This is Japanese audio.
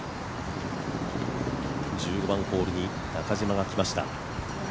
１５番ホールに中島が来ました。